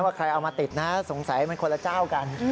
ใครเอามาติดนะสงสัยมันคนละเจ้ากัน